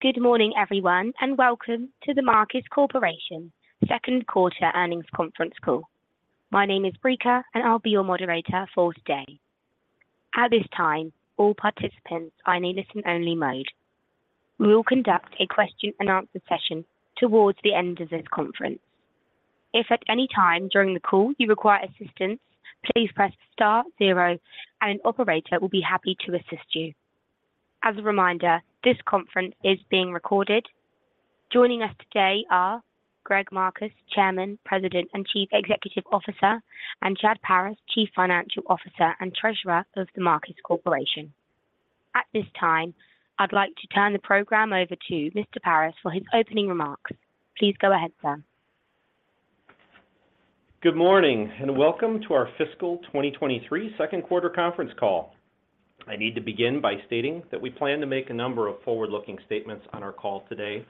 Good morning, everyone, welcome to The Marcus Corporation 2nd quarter earnings conference call. My name is Rica, I'll be your moderator for today. At this time, all participants are in listen-only mode. We will conduct a question-and-answer session towards the end of this conference. If at any time during the call you require assistance, please press star 0, an operator will be happy to assist you. As a reminder, this conference is being recorded. Joining us today are Greg Marcus, Chairman, President, and Chief Executive Officer, Chad Paris, Chief Financial Officer and Treasurer of The Marcus Corporation. At this time, I'd like to turn the program over to Mr. Paris for his opening remarks. Please go ahead, sir. Good morning, and welcome to our fiscal 2023 second quarter conference call. I need to begin by stating that we plan to make a number of forward-looking statements on our call today,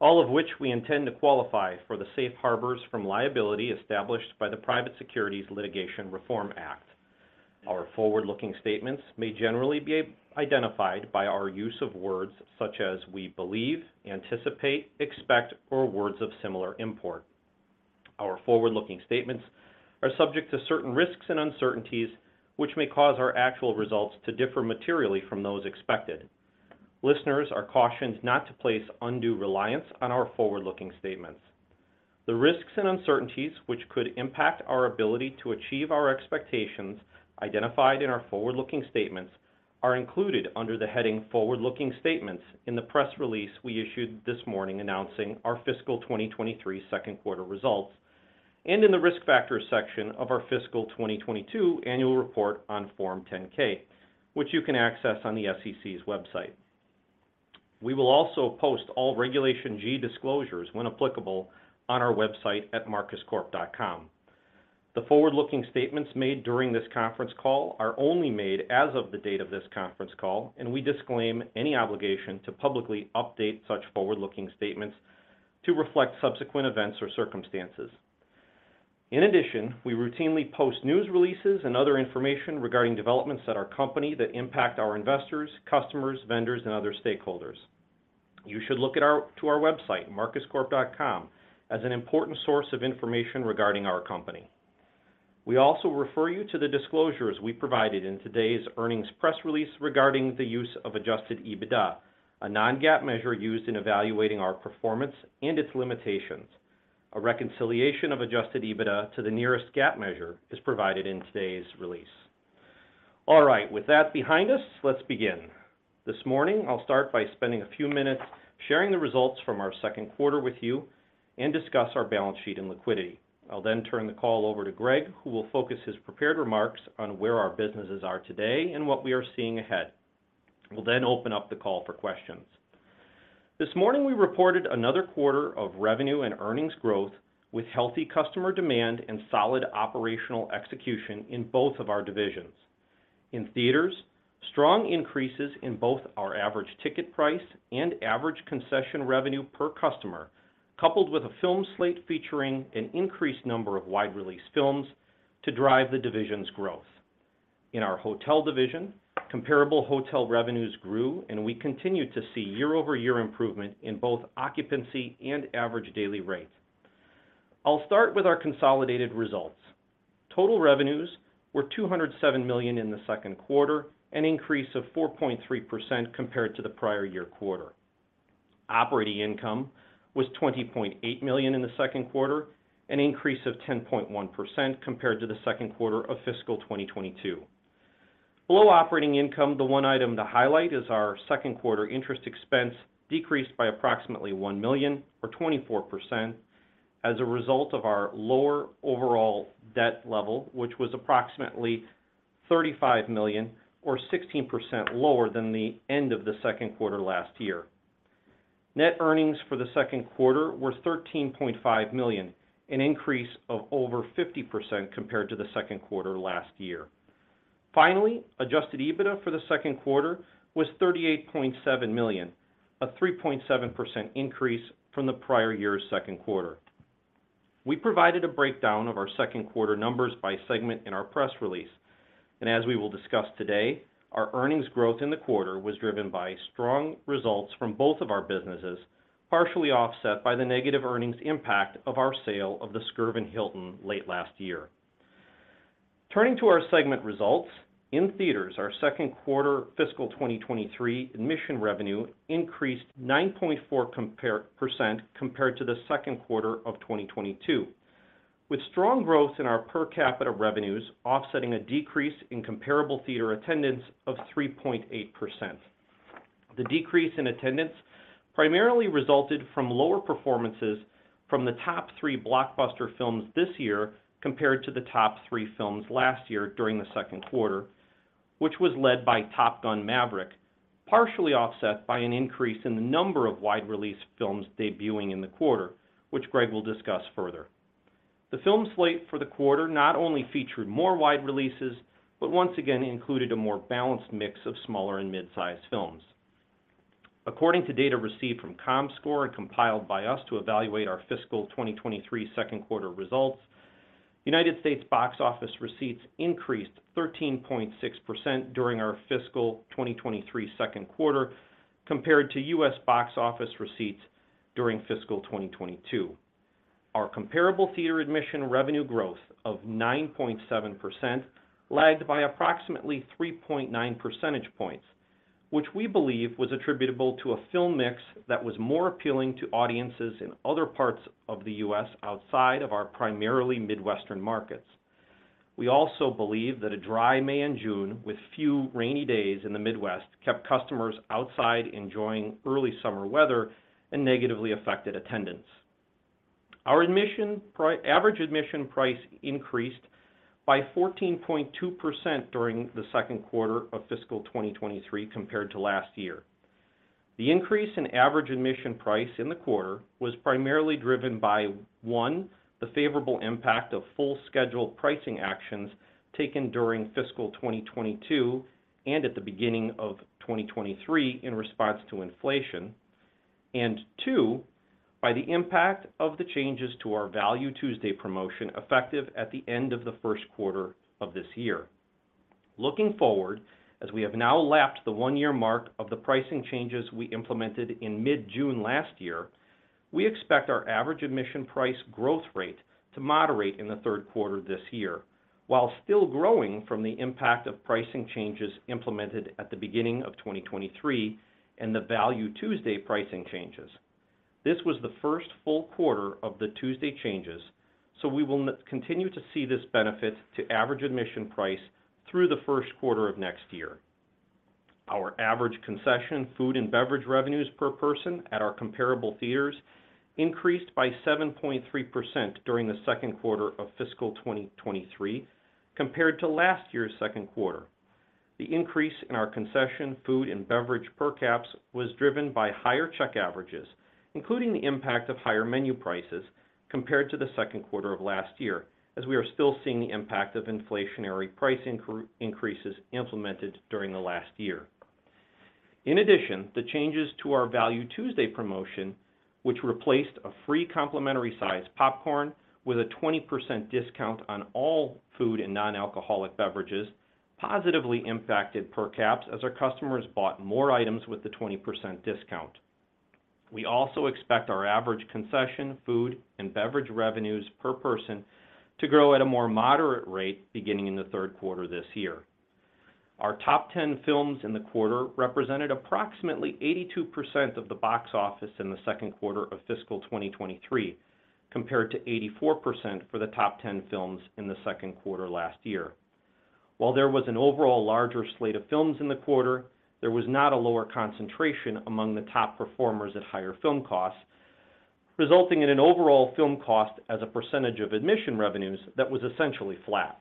all of which we intend to qualify for the safe harbors from liability established by the Private Securities Litigation Reform Act. Our forward-looking statements may generally be identified by our use of words such as we believe, anticipate, expect, or words of similar import. Our forward-looking statements are subject to certain risks and uncertainties, which may cause our actual results to differ materially from those expected. Listeners are cautioned not to place undue reliance on our forward-looking statements. The risks and uncertainties which could impact our ability to achieve our expectations identified in our forward-looking statements are included under the heading Forward-Looking Statements in the press release we issued this morning announcing our fiscal 2023 second quarter results, and in the Risk Factors section of our fiscal 2022 Annual Report on Form 10-K, which you can access on the SEC's website. We will also post all Regulation G disclosures, when applicable, on our website at marcuscorp.com. The forward-looking statements made during this conference call are only made as of the date of this conference call, and we disclaim any obligation to publicly update such forward-looking statements to reflect subsequent events or circumstances. We routinely post news releases and other information regarding developments at our company that impact our investors, customers, vendors, and other stakeholders. You should look to our website, marcuscorp.com, as an important source of information regarding our company. We also refer you to the disclosures we provided in today's earnings press release regarding the use of Adjusted EBITDA, a non-GAAP measure used in evaluating our performance and its limitations. A reconciliation of Adjusted EBITDA to the nearest GAAP measure is provided in today's release. All right, with that behind us, let's begin. This morning, I'll start by spending a few minutes sharing the results from our second quarter with you and discuss our balance sheet and liquidity. I'll turn the call over to Greg, who will focus his prepared remarks on where our businesses are today and what we are seeing ahead. We'll open up the call for questions. This morning, we reported another quarter of revenue and earnings growth with healthy customer demand and solid operational execution in both of our divisions. In Theatres, strong increases in both our average ticket price and average concession revenue per customer, coupled with a film slate featuring an increased number of wide-release films to drive the division's growth. In our hotel division, comparable hotel revenues grew, and we continued to see year-over-year improvement in both occupancy and average daily rates. I'll start with our consolidated results. Total revenues were $207 million in the second quarter, an increase of 4.3% compared to the prior year quarter. Operating income was $20.8 million in the second quarter, an increase of 10.1% compared to the second quarter of fiscal 2022. Below operating income, the one item to highlight is our second quarter interest expense decreased by approximately $1 million or 24% as a result of our lower overall debt level, which was approximately $35 million or 16% lower than the end of the second quarter last year. Net earnings for the second quarter were $13.5 million, an increase of over 50% compared to the second quarter last year. Finally, Adjusted EBITDA for the second quarter was $38.7 million, a 3.7% increase from the prior year's second quarter. We provided a breakdown of our second quarter numbers by segment in our press release. As we will discuss today, our earnings growth in the quarter was driven by strong results from both of our businesses, partially offset by the negative earnings impact of our sale of the Skirvin Hilton late last year. Turning to our segment results, in theaters, our second quarter fiscal 2023 admission revenue increased 9.4% compared to the second quarter of 2022, with strong growth in our per capita revenues offsetting a decrease in comparable theater attendance of 3.8%. The decrease in attendance primarily resulted from lower performances from the top three blockbuster films this year compared to the top three films last year during the second quarter, which was led by Top Gun: Maverick, partially offset by an increase in the number of wide-release films debuting in the quarter, which Greg will discuss further. The film slate for the quarter not only featured more wide releases, but once again included a more balanced mix of smaller and mid-sized films. According to data received from Comscore and compiled by us to evaluate our fiscal 2023 second quarter results. United States box office receipts increased 13.6% during our fiscal 2023 second quarter compared to US box office receipts during fiscal 2022. Our comparable theater admission revenue growth of 9.7% lagged by approximately 3.9 percentage points, which we believe was attributable to a film mix that was more appealing to audiences in other parts of the U.S. outside of our primarily Midwestern markets. We also believe that a dry May and June with few rainy days in the Midwest, kept customers outside enjoying early summer weather and negatively affected attendance. Our average admission price increased by 14.2% during the second quarter of fiscal 2023 compared to last year. The increase in average admission price in the quarter was primarily driven by, 1, the favorable impact of full schedule pricing actions taken during fiscal 2022 and at the beginning of 2023 in response to inflation. Two, by the impact of the changes to our Value Tuesday promotion, effective at the end of the first quarter of this year. Looking forward, as we have now lapped the 1-year mark of the pricing changes we implemented in mid-June last year, we expect our average admission price growth rate to moderate in the third quarter this year, while still growing from the impact of pricing changes implemented at the beginning of 2023 and the Value Tuesday pricing changes. This was the first full quarter of the Tuesday changes, so we will continue to see this benefit to average admission price through the first quarter of next year. Our average concession, food, and beverage revenues per person at our comparable theaters increased by 7.3% during the second quarter of fiscal 2023 compared to last year's second quarter. The increase in our concession, food, and beverage per caps was driven by higher check averages, including the impact of higher menu prices compared to the second quarter of last year, as we are still seeing the impact of inflationary price increases implemented during the last year. The changes to our Value Tuesday promotion, which replaced a free complimentary size popcorn with a 20% discount on all food and non-alcoholic beverages, positively impacted per caps as our customers bought more items with the 20% discount. We also expect our average concession, food, and beverage revenues per person to grow at a more moderate rate beginning in the third quarter this year. Our top 10 films in the quarter represented approximately 82% of the box office in the second quarter of fiscal 2023, compared to 84% for the top 10 films in the second quarter last year. While there was an overall larger slate of films in the quarter, there was not a lower concentration among the top performers at higher film costs, resulting in an overall film cost as a percentage of admission revenues that was essentially flat.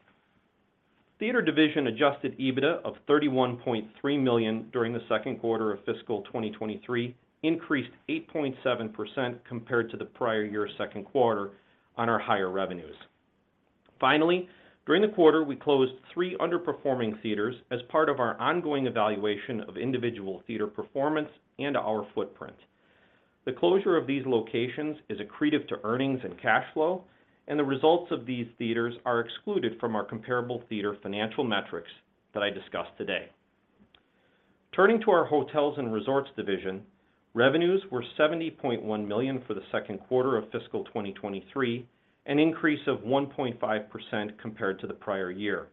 Theater division Adjusted EBITDA of $31.3 million during the second quarter of fiscal 2023 increased 8.7% compared to the prior year's second quarter on our higher revenues. Finally, during the quarter, we closed three underperforming theaters as part of our ongoing evaluation of individual theater performance and our footprint. The closure of these locations is accretive to earnings and cash flow, and the results of these theaters are excluded from our comparable theater financial metrics that I discussed today. Turning to our hotels and resorts division, revenues were $70.1 million for the second quarter of fiscal 2023, an increase of 1.5% compared to the prior year.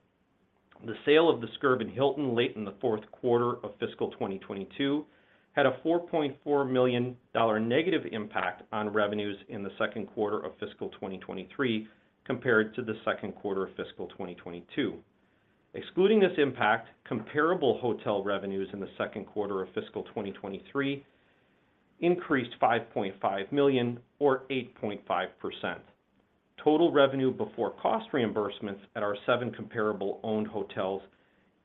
The sale of the Skirvin Hilton late in the fourth quarter of fiscal 2022 had a $4.4 million negative impact on revenues in the second quarter of fiscal 2023 compared to the second quarter of fiscal 2022. Excluding this impact, comparable hotel revenues in the second quarter of fiscal 2023 increased $5.5 million or 8.5%. Total revenue before cost reimbursements at our seven comparable owned hotels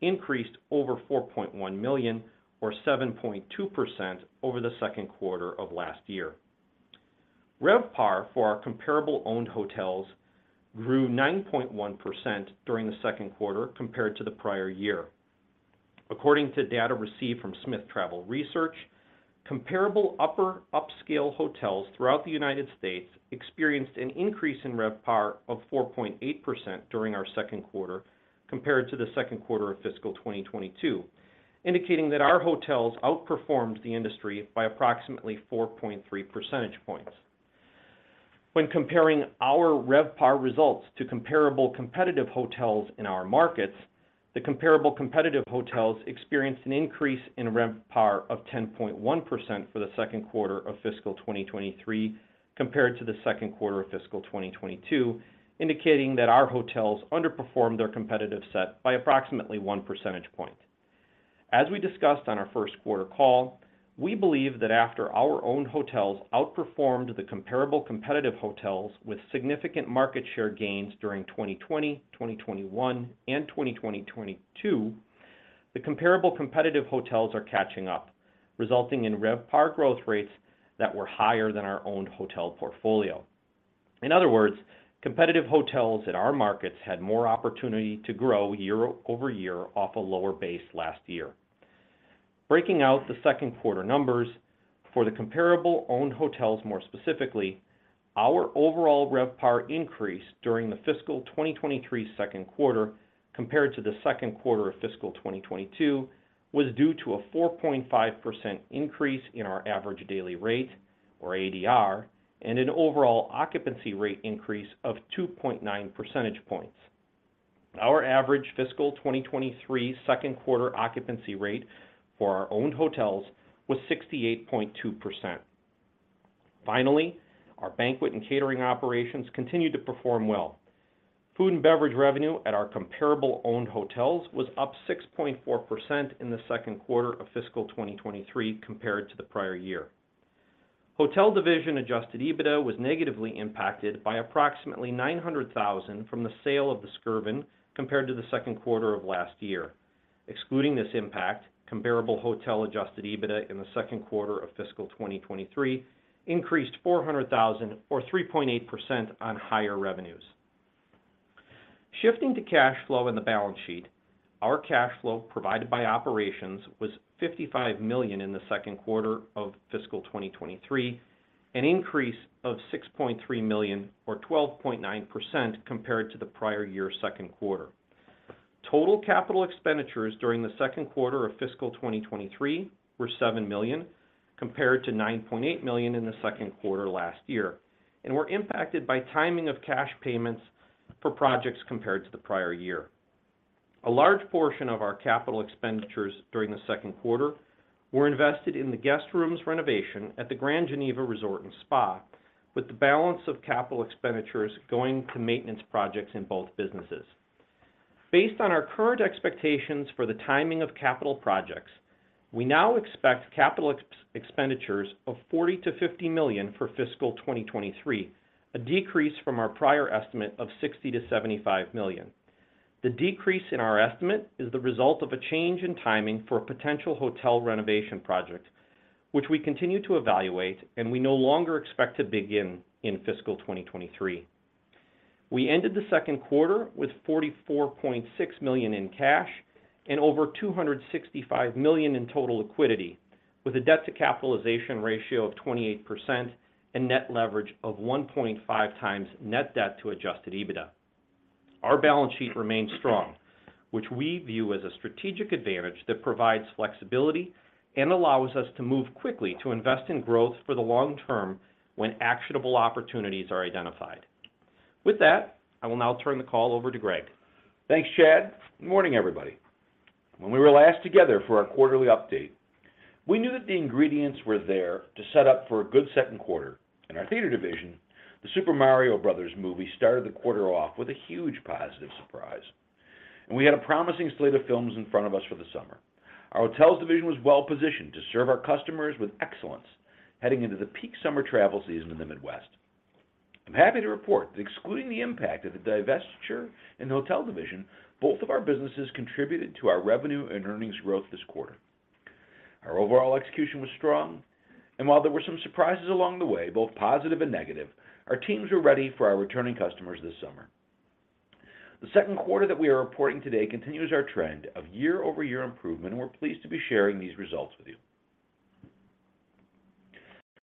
increased over $4.1 million or 7.2% over the second quarter of last year. RevPAR for our comparable owned hotels grew 9.1% during the second quarter compared to the prior year. According to data received from Smith Travel Research, comparable upper upscale hotels throughout the United States experienced an increase in RevPAR of 4.8% during our second quarter compared to the second quarter of fiscal 2022, indicating that our hotels outperformed the industry by approximately 4.3 percentage points. When comparing our RevPAR results to comparable competitive hotels in our markets, the comparable competitive hotels experienced an increase in RevPAR of 10.1% for the second quarter of fiscal 2023 compared to the second quarter of fiscal 2022, indicating that our hotels underperformed their competitive set by approximately one percentage point. As we discussed on our first quarter call, we believe that after our owned hotels outperformed the comparable competitive hotels with significant market share gains during 2020, 2021, and 2022, the comparable competitive hotels are catching up, resulting in RevPAR growth rates that were higher than our owned hotel portfolio. In other words, competitive hotels in our markets had more opportunity to grow year-over-year off a lower base last year. Breaking out the second quarter numbers for the comparable owned hotels more specifically, our overall RevPAR increase during the fiscal 2023 second quarter compared to the second quarter of fiscal 2022, was due to a 4.5% increase in our average daily rate, or ADR, and an overall occupancy rate increase of 2.9 percentage points. Our average fiscal 2023 second quarter occupancy rate for our owned hotels was 68.2%. Finally, our banquet and catering operations continued to perform well. Food and beverage revenue at our comparable owned hotels was up 6.4% in the second quarter of fiscal 2023 compared to the prior year. Hotel division Adjusted EBITDA was negatively impacted by approximately $900,000 from the sale of the Skirvin compared to the second quarter of last year. Excluding this impact, comparable hotel Adjusted EBITDA in the second quarter of fiscal 2023 increased $400,000 or 3.8% on higher revenues. Shifting to cash flow in the balance sheet, our cash flow provided by operations was $55 million in the second quarter of fiscal 2023, an increase of $6.3 million or 12.9% compared to the prior year's second quarter. Total capital expenditures during the second quarter of fiscal 2023 were $7 million, compared to $9.8 million in the second quarter last year, and were impacted by timing of cash payments for projects compared to the prior year. A large portion of our capital expenditures during the second quarter were invested in the guest rooms renovation at the Grand Geneva Resort & Spa, with the balance of capital expenditures going to maintenance projects in both businesses. Based on our current expectations for the timing of capital projects, we now expect capital expenditures of $40 million-$50 million for fiscal 2023, a decrease from our prior estimate of $60 million-$75 million. The decrease in our estimate is the result of a change in timing for a potential hotel renovation project, which we continue to evaluate, and we no longer expect to begin in fiscal 2023. We ended the second quarter with $44.6 million in cash and over $265 million in total liquidity, with a debt to capitalization ratio of 28% and net leverage of 1.5x net debt to Adjusted EBITDA. Our balance sheet remains strong, which we view as a strategic advantage that provides flexibility and allows us to move quickly to invest in growth for the long term when actionable opportunities are identified. With that, I will now turn the call over to Greg. Thanks, Chad. Good morning, everybody. When we were last together for our quarterly update, we knew that the ingredients were there to set up for a good second quarter. In our theater division, The Super Mario Bros. Movie started the quarter off with a huge positive surprise. We had a promising slate of films in front of us for the summer. Our hotels division was well positioned to serve our customers with excellence, heading into the peak summer travel season in the Midwest. I'm happy to report that excluding the impact of the divestiture in the hotel division, both of our businesses contributed to our revenue and earnings growth this quarter. Our overall execution was strong. While there were some surprises along the way, both positive and negative, our teams were ready for our returning customers this summer. The second quarter that we are reporting today continues our trend of year-over-year improvement, and we're pleased to be sharing these results with you.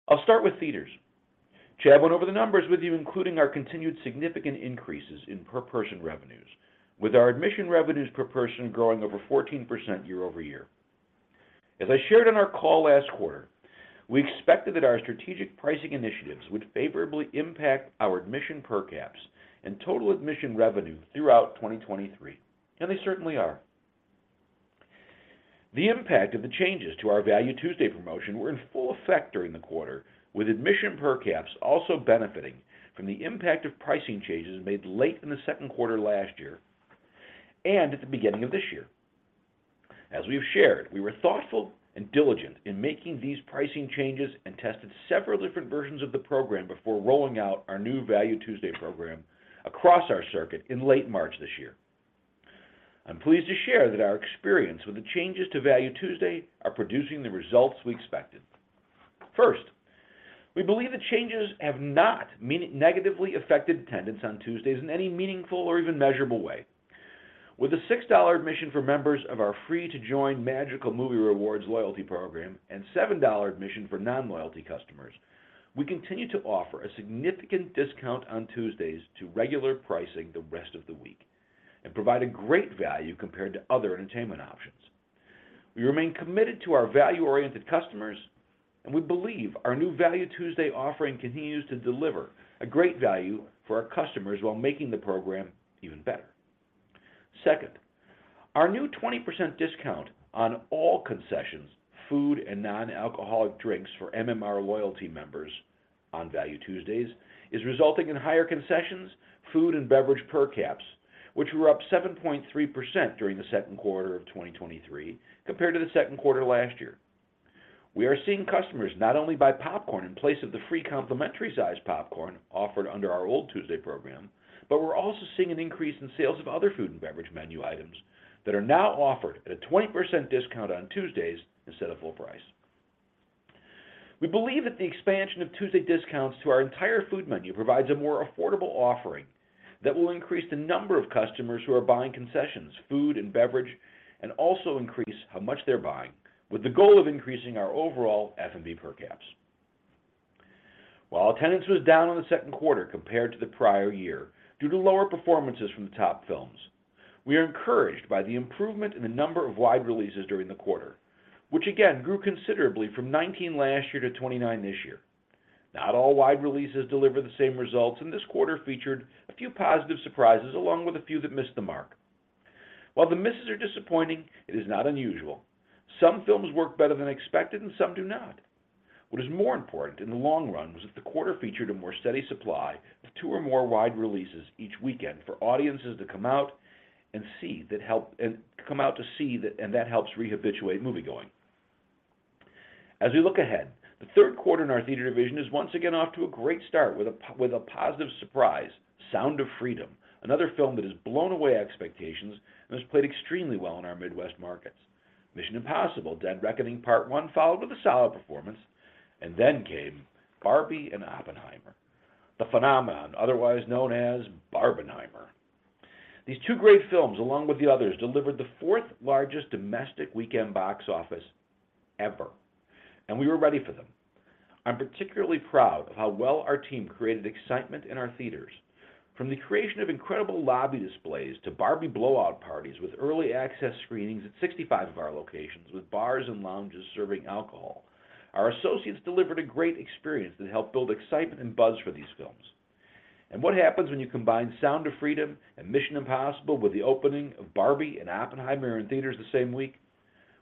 I'll start with theaters. Chad went over the numbers with you, including our continued significant increases in per person revenues, with our admission revenues per person growing over 14% year-over-year. As I shared on our call last quarter, we expected that our strategic pricing initiatives would favorably impact our admission per caps and total admission revenue throughout 2023, and they certainly are. The impact of the changes to our Value Tuesday promotion were in full effect during the quarter, with admission per caps also benefiting from the impact of pricing changes made late in the second quarter last year and at the beginning of this year. As we've shared, we were thoughtful and diligent in making these pricing changes and tested several different versions of the program before rolling out our new Value Tuesday program across our circuit in late March this year. I'm pleased to share that our experience with the changes to Value Tuesday are producing the results we expected. First, we believe the changes have not negatively affected attendance on Tuesdays in any meaningful or even measurable way. With a $6 admission for members of our free-to-join Magical Movie Rewards loyalty program and $7 admission for non-loyalty customers, we continue to offer a significant discount on Tuesdays to regular pricing the rest of the week, and provide a great value compared to other entertainment options. We remain committed to our value-oriented customers, and we believe our new Value Tuesday offering continues to deliver a great value for our customers while making the program even better. Second, our new 20% discount on all concessions, food, and non-alcoholic drinks for MMR loyalty members on Value Tuesdays, is resulting in higher concessions, food and beverage per caps, which were up 7.3% during the second quarter of 2023 compared to the second quarter last year. We are seeing customers not only buy popcorn in place of the free complimentary sized popcorn offered under our old Tuesday program, but we're also seeing an increase in sales of other food and beverage menu items that are now offered at a 20% discount on Tuesdays instead of full price. We believe that the expansion of Tuesday discounts to our entire food menu provides a more affordable offering that will increase the number of customers who are buying concessions, food, and beverage, and also increase how much they're buying, with the goal of increasing our overall F&B per caps. While attendance was down in the second quarter compared to the prior year due to lower performances from the top films, we are encouraged by the improvement in the number of wide releases during the quarter, which again grew considerably from 19 last year to 29 this year. Not all wide releases deliver the same results, and this quarter featured a few positive surprises, along with a few that missed the mark. While the misses are disappointing, it is not unusual. Some films work better than expected and some do not. What is more important in the long run was that the quarter featured a more steady supply of two or more wide releases each weekend for audiences to come out and see that, and that helps re-habituate moviegoing. As we look ahead, the third quarter in our theater division is once again off to a great start with a positive surprise, Sound of Freedom, another film that has blown away expectations and has played extremely well in our Midwest markets. Mission: Impossible – Dead Reckoning Part One followed with a solid performance, and then came Barbie and Oppenheimer, the phenomenon otherwise known as Barbenheimer. These two great films, along with the others, delivered the fourth-largest domestic weekend box office ever, and we were ready for them. I'm particularly proud of how well our team created excitement in our theaters. From the creation of incredible lobby displays to Barbie blowout parties with early access screenings at 65 of our locations, with bars and lounges serving alcohol, our associates delivered a great experience that helped build excitement and buzz for these films. What happens when you combine Sound of Freedom and Mission Impossible with the opening of Barbie and Oppenheimer in theaters the same week?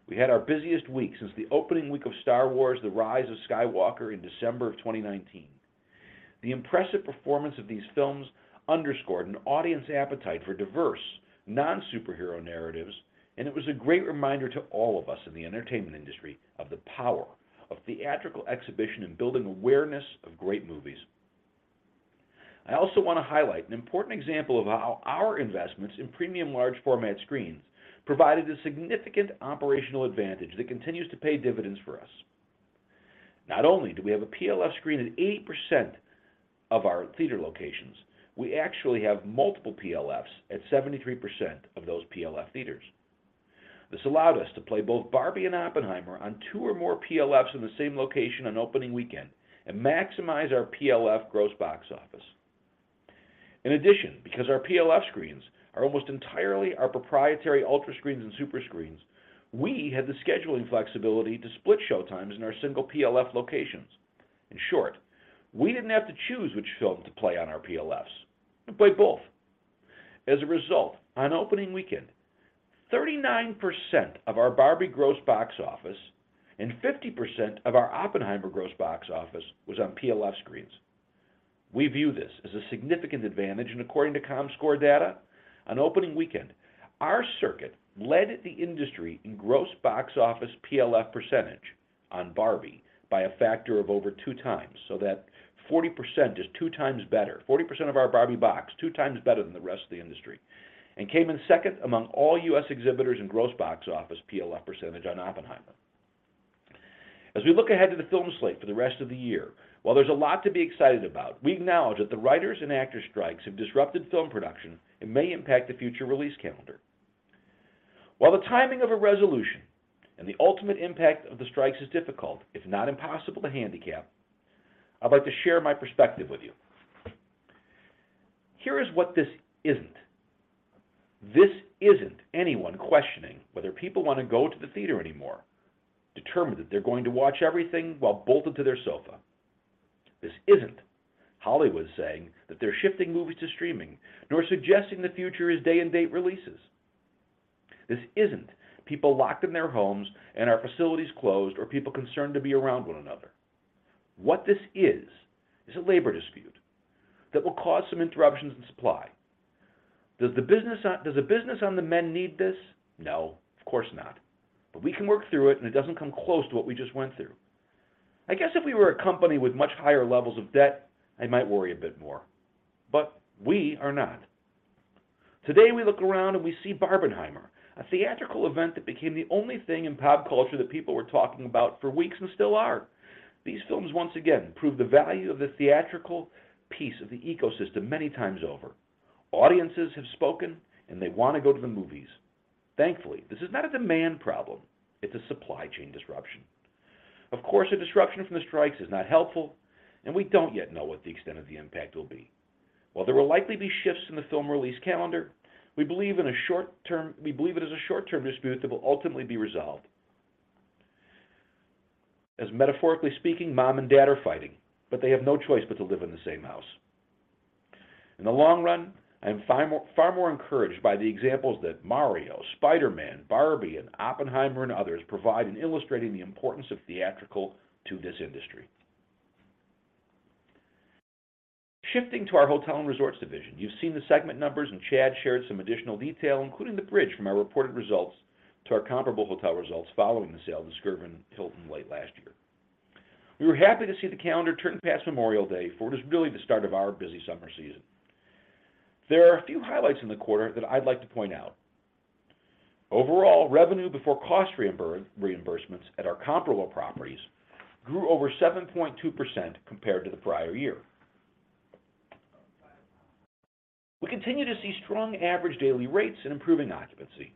We had our busiest week since the opening week of Star Wars: The Rise of Skywalker in December of 2019. The impressive performance of these films underscored an audience appetite for diverse, non-superhero narratives, and it was a great reminder to all of us in the entertainment industry of the power of theatrical exhibition in building awareness of great movies. I also want to highlight an important example of how our investments in premium large format screens provided a significant operational advantage that continues to pay dividends for us. Not only do we have a PLF screen at 80% of our theater locations, we actually have multiple PLFs at 73% of those PLF theaters. This allowed us to play both Barbie and Oppenheimer on 2 or more PLFs in the same location on opening weekend and maximize our PLF gross box office. In addition, because our PLF screens are almost entirely our proprietary Ultra Screens and Super Screens, we had the scheduling flexibility to split showtimes in our single PLF locations. In short, we didn't have to choose which film to play on our PLFs. We played both. As a result, on opening weekend, 39% of our Barbie gross box office and 50% of our Oppenheimer gross box office was on PLF screens. We view this as a significant advantage, according to Comscore data, on opening weekend, our circuit led the industry in gross box office PLF percentage on Barbie by a factor of over 2 times. That 40% is 2 times better. 40% of our Barbie box, 2 times better than the rest of the industry, and came in second among all U.S. exhibitors in gross box office PLF percentage on Oppenheimer. As we look ahead to the film slate for the rest of the year, while there's a lot to be excited about, we acknowledge that the writers and actors strikes have disrupted film production and may impact the future release calendar. While the timing of a resolution and the ultimate impact of the strikes is difficult, if not impossible, to handicap, I'd like to share my perspective with you. Here is what this isn't. This isn't anyone questioning whether people want to go to the theater anymore, determined that they're going to watch everything while bolted to their sofa. This isn't Hollywood saying that they're shifting movies to streaming, nor suggesting the future is day-and-date releases. This isn't people locked in their homes and our facilities closed or people concerned to be around one another. What this is, is a labor dispute that will cause some interruptions in supply. Does the business on the men need this? No, of course not. We can work through it, and it doesn't come close to what we just went through. I guess if we were a company with much higher levels of debt, I might worry a bit more, but we are not. Today, we look around and we see Barbenheimer, a theatrical event that became the only thing in pop culture that people were talking about for weeks and still are. These films once again prove the value of the theatrical piece of the ecosystem many times over. Audiences have spoken, and they want to go to the movies. Thankfully, this is not a demand problem, it's a supply chain disruption. Of course, a disruption from the strikes is not helpful, and we don't yet know what the extent of the impact will be. While there will likely be shifts in the film release calendar, we believe it is a short-term dispute that will ultimately be resolved. Metaphorically speaking, mom and dad are fighting, but they have no choice but to live in the same house. In the long run, I am far more, far more encouraged by the examples that Mario, Spider-Man, Barbie, and Oppenheimer and others provide in illustrating the importance of theatrical to this industry. Shifting to our hotel and resorts division, you've seen the segment numbers, and Chad shared some additional detail, including the bridge from our reported results to our comparable hotel results following the sale of The Skirvin Hilton late last year. We were happy to see the calendar turn past Memorial Day, for it is really the start of our busy summer season. There are a few highlights in the quarter that I'd like to point out. Overall, revenue before cost reimbursements at our comparable properties grew over 7.2% compared to the prior year. We continue to see strong average daily rates and improving occupancy.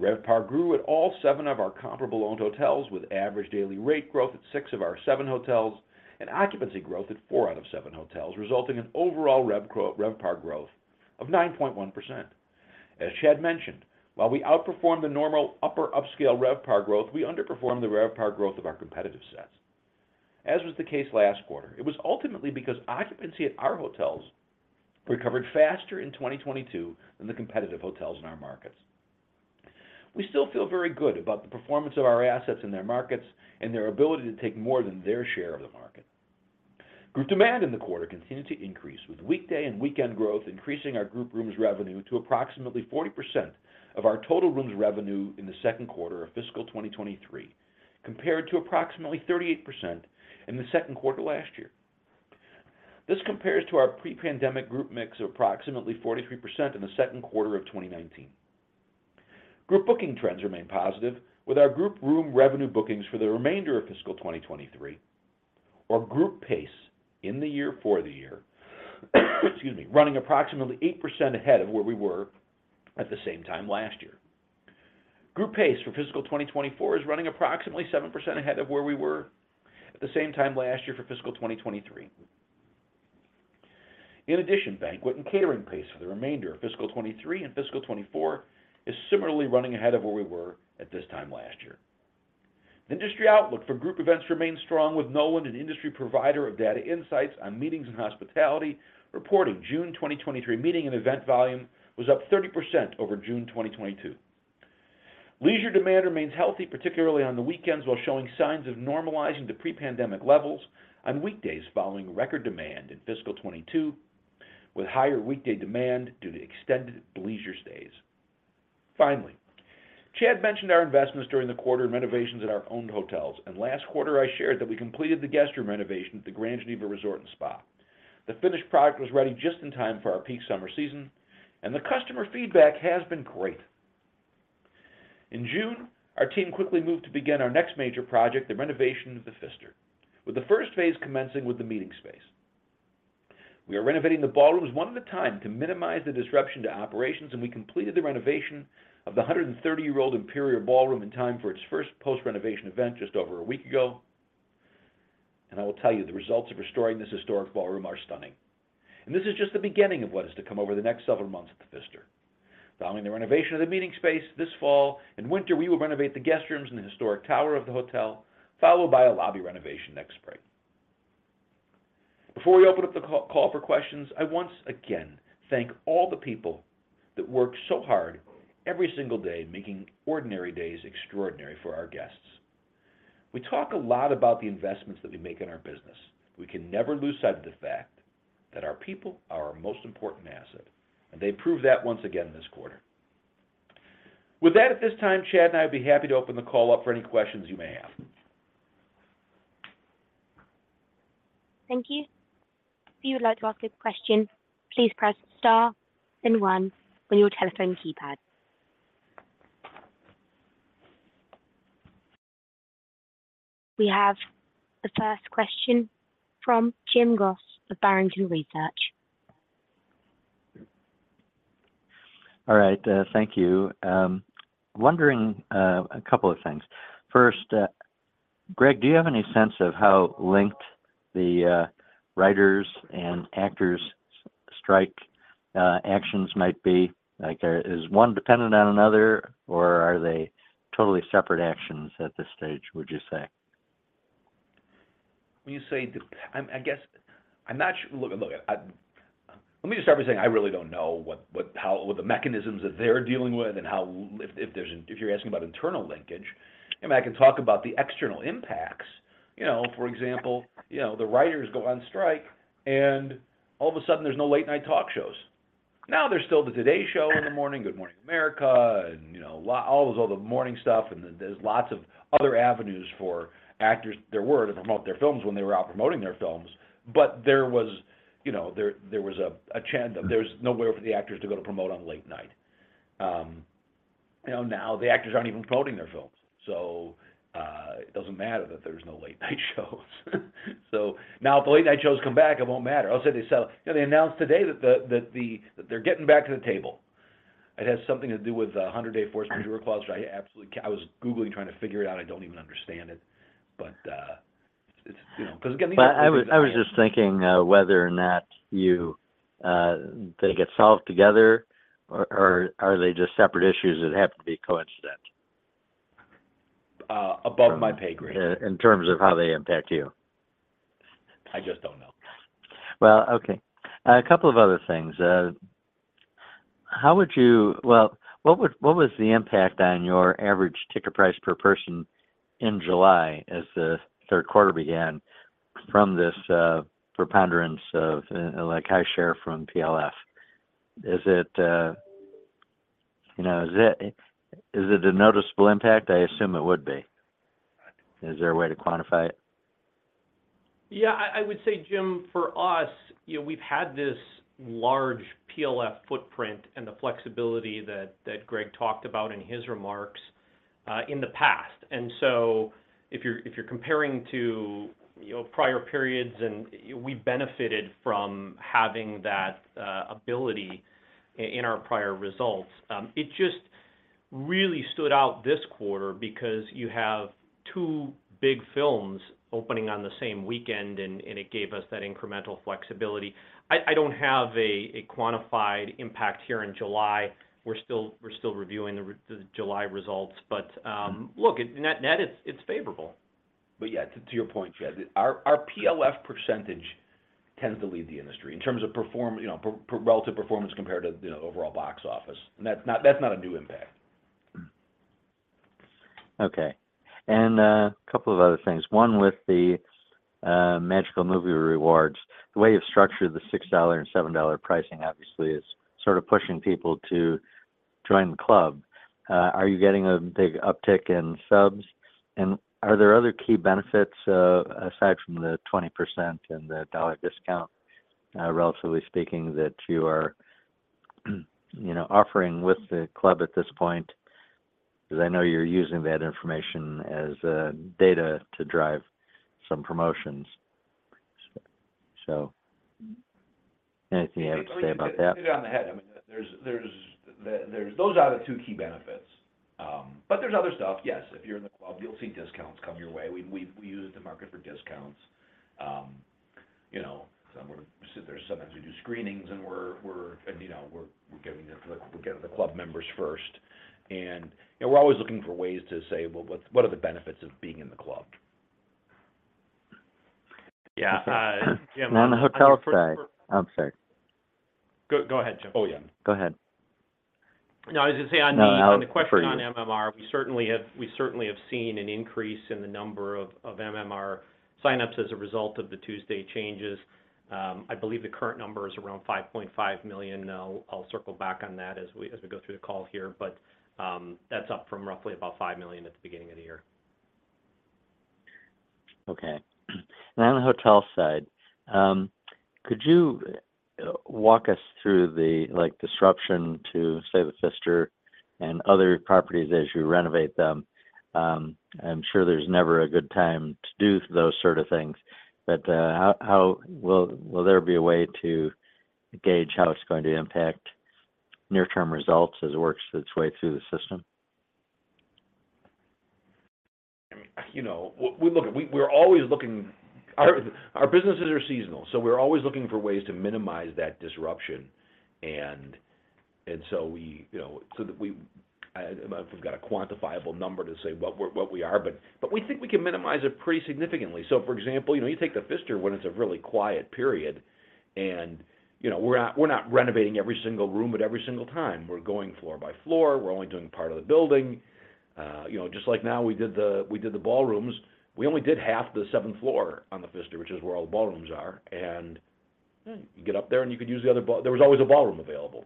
RevPAR grew at all 7 of our comparable owned hotels, with average daily rate growth at 6 of our 7 hotels, and occupancy growth at 4 out of 7 hotels, resulting in overall RevPAR growth of 9.1%. As Chad mentioned, while we outperformed the normal upper upscale RevPAR growth, we underperformed the RevPAR growth of our competitive sets. As was the case last quarter, it was ultimately because occupancy at our hotels recovered faster in 2022 than the competitive hotels in our markets. We still feel very good about the performance of our assets in their markets and their ability to take more than their share of the market. Group demand in the quarter continued to increase, with weekday and weekend growth increasing our group rooms revenue to approximately 40% of our total rooms revenue in the second quarter of fiscal 2023, compared to approximately 38% in the second quarter last year. This compares to our pre-pandemic group mix of approximately 43% in the second quarter of 2019. Group booking trends remain positive, with our group room revenue bookings for the remainder of fiscal 2023, or group pace in the year for the year, excuse me, running approximately 8% ahead of where we were at the same time last year. Group pace for fiscal 2024 is running approximately 7% ahead of where we were at the same time last year for fiscal 2023. In addition, banquet and catering pace for the remainder of fiscal 2023 and fiscal 2024 is similarly running ahead of where we were at this time last year. Industry outlook for group events remains strong, with Knowland, an industry provider of data insights on meetings and hospitality, reporting June 2023 meeting and event volume was up 30% over June 2022. Leisure demand remains healthy, particularly on the weekends, while showing signs of normalizing to pre-pandemic levels on weekdays following record demand in fiscal 2022, with higher weekday demand due to extended leisure stays. Finally, Chad mentioned our investments during the quarter and renovations at our owned hotels, and last quarter I shared that we completed the guest room renovation at the Grand Geneva Resort & Spa. The finished product was ready just in time for our peak summer season, and the customer feedback has been great. In June, our team quickly moved to begin our next major project, the renovation of The Pfister, with the first phase commencing with the meeting space. We are renovating the ballrooms 1 at a time to minimize the disruption to operations, we completed the renovation of the 130-year-old Imperial Ballroom in time for its first post-renovation event just over a week ago. I will tell you, the results of restoring this historic ballroom are stunning. This is just the beginning of what is to come over the next several months at The Pfister. Following the renovation of the meeting space, this fall and winter, we will renovate the guest rooms in the historic tower of the hotel, followed by a lobby renovation next spring. Before we open up the call for questions, I once again thank all the people that work so hard every single day, making ordinary days extraordinary for our guests. We talk a lot about the investments that we make in our business. We can never lose sight of the fact that our people are our most important asset, and they proved that once again this quarter. With that, at this time, Chad and I would be happy to open the call up for any questions you may have. Thank you. If you would like to ask a question, please press star then 1 on your telephone keypad. We have the first question from Jim Goss of Barrington Research. All right, thank you. Wondering, a couple of things. First, Greg, do you have any sense of how linked the writers' and actors' strike actions might be? Like, is one dependent on another, or are they totally separate actions at this stage, would you say? When you say, I guess, I'm not sure. Look, look, let me just start by saying I really don't know what, what how, what the mechanisms that they're dealing with and how, if there's an if you're asking about internal linkage, I mean, I can talk about the external impacts. You know, for example, you know, the writers go on strike, all of a sudden, there's no late-night talk shows. Now, there's still the Today in the morning, Good Morning America, and you know, all those, all the morning stuff, and there's lots of other avenues for actors, there were, to promote their films when they were out promoting their films. There was, you know, there, there was a chasm. There was nowhere for the actors to go to promote on late night. You know, now the actors aren't even promoting their films, it doesn't matter that there's no late-night shows. Now, if the late-night shows come back, it won't matter. Also, they sell... You know, they announced today that they're getting back to the table. It has something to do with a 100-day force majeure clause that I absolutely I was Googling, trying to figure it out. I don't even understand it, but it's, you know, 'cause again, these. I was, I was just thinking, whether or not you, they get solved together or, or are they just separate issues that happen to be coincident? Above my pay grade. In terms of how they impact you. I just don't know. Well, okay. A couple of other things. How would you... Well, what was the impact on your average ticker price per person in July as the third quarter began from this, preponderance of, like, high share from PLF? Is it, you know, is it, is it a noticeable impact? I assume it would be. Is there a way to quantify it? Yeah, I, I would say, Jim, for us, you know, we've had this large PLF footprint and the flexibility that, that Greg talked about in his remarks, in the past. If you're, if you're comparing to, you know, prior periods, and we benefited from having that ability in our prior results. It just really stood out this quarter because you have two big films opening on the same weekend, and it gave us that incremental flexibility. I, I don't have a, a quantified impact here in July. We're still, we're still reviewing the July results, but. Mm-hmm... look, it, net net, it's, it's favorable. Yeah, to, to your point, Chad, our, our PLF % tends to lead the industry in terms of you know, relative performance compared to the overall box office, and that's not, that's not a new impact. Okay, couple of other things. One, with the Magical Movie Rewards, the way you've structured the $6 and $7 pricing obviously is sort of pushing people to join the club. Are you getting a big uptick in subs, and are there other key benefits, aside from the 20% and the dollar discount, relatively speaking, that you are, you know, offering with the club at this point? Because I know you're using that information as data to drive some promotions, so anything you have to say about that? You hit it on the head. I mean, those are the two key benefits. There's other stuff. Yes, if you're in the club, you'll see discounts come your way. We use the market for discounts. You know, sometimes we do screenings, and you know, we're giving the club members first. You know, we're always looking for ways to say, "Well, what's, what are the benefits of being in the club? Yeah, Jim- On the hotel side. I'm sorry. Go, go ahead, Jim. Oh, yeah. Go ahead. No, I was gonna say on the- No.... on the question on MMR, we certainly have seen an increase in the number of MMR signups as a result of the Tuesday changes. I believe the current number is around 5.5 million. Now, I'll circle back on that as we go through the call here, but that's up from roughly about 5 million at the beginning of the year. Okay. Now, on the hotel side, could you walk us through the, like, disruption to, say, The Pfister and other properties as you renovate them? I'm sure there's never a good time to do those sort of things, but Will there be a way to gauge how it's going to impact near-term results as it works its way through the system? I mean, you know, we look at, we're always looking. Our businesses are seasonal, so we're always looking for ways to minimize that disruption, so we, you know, so that I don't know if we've got a quantifiable number to say what we're what we are, but we think we can minimize it pretty significantly. For example, you know, you take the Pfister when it's a really quiet period, and, you know, we're not, we're not renovating every single room at every single time. We're going floor by floor. We're only doing part of the building. You know, just like now, we did the ballrooms. We only did half the seventh floor on the Pfister, which is where all the ballrooms are, and you get up there, and you could use the other. There was always a ballroom available.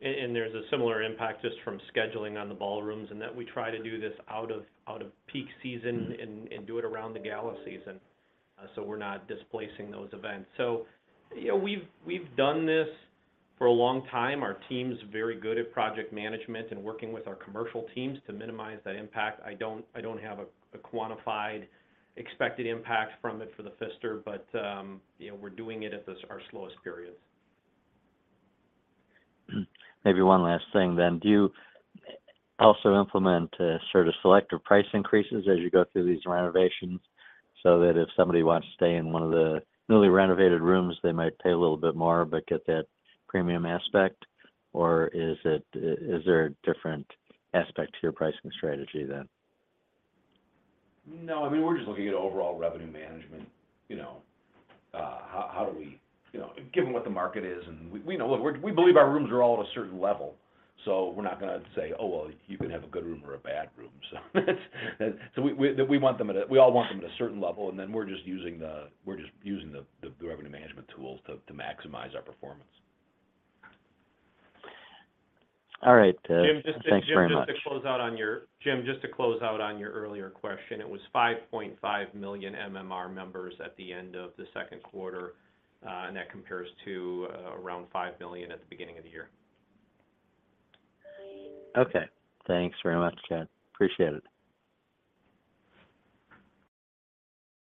There's a similar impact just from scheduling on the ballrooms, in that we try to do this out of, out of peak season. Mm-hmm... and do it around the gala season, so we're not displacing those events. You know, we've, we've done this for a long time. Our team's very good at project management and working with our commercial teams to minimize the impact. I don't, I don't have a, a quantified expected impact from it for The Pfister, but, you know, we're doing it at this, our slowest periods. Maybe one last thing: Do you also implement a sort of selective price increases as you go through these renovations, so that if somebody wants to stay in one of the newly renovated rooms, they might pay a little bit more but get that premium aspect? Or is it, is there a different aspect to your pricing strategy then? No, I mean, we're just looking at overall revenue management. You know, how do we... You know, given what the market is, and we, we know, look, we, we believe our rooms are all at a certain level, so we're not gonna say, "Oh, well, you can have a good room or a bad room." It's, and so we want them at a- we all want them at a certain level, and then we're just using the revenue management tools to, to maximize our performance. All right. Jim, Thanks very much. Jim, just to close out on your earlier question, it was 5.5 million MMR members at the end of the second quarter, and that compares to around 5 billion at the beginning of the year. Okay. Thanks very much, Chad. Appreciate it.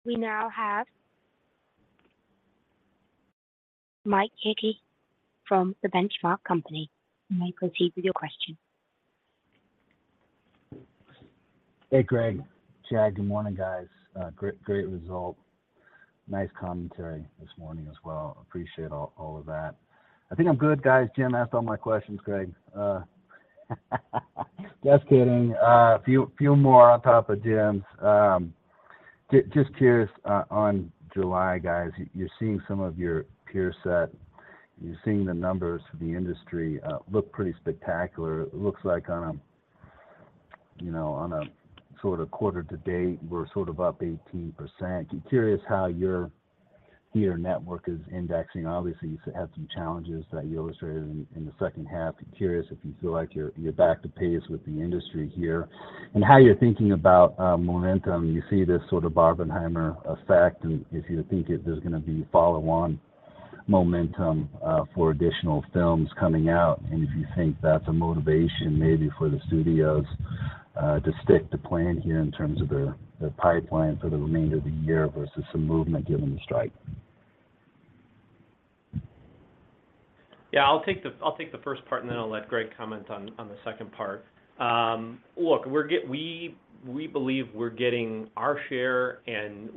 We now have Mike Hickey from The Benchmark Company. Mike, proceed with your question. Hey, Greg, Chad, good morning, guys. Great, great result. Nice commentary this morning as well. Appreciate all, all of that. I think I'm good, guys. Jim asked all my questions, Greg. Just kidding. Few, few more on top of Jim's. Just curious, on July, guys, you're seeing some of your peer set, you're seeing the numbers for the industry, look pretty spectacular. It looks like on a, you know, on a sort of quarter to date, we're sort of up 18%. Curious how your theater network is indexing. Obviously, you had some challenges that you illustrated in, in the second half. Curious if you feel like you're, you're back to pace with the industry here, and how you're thinking about momentum. You see this sort of Barbenheimer effect, and if you think if there's gonna be follow-on momentum, for additional films coming out, and if you think that's a motivation maybe for the studios, to stick to plan here in terms of their, their pipeline for the remainder of the year versus some movement, given the strike? Yeah, I'll take the, I'll take the first part, then I'll let Greg comment on, on the second part. Look, we, we believe we're getting our share,